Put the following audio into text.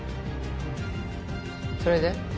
それで？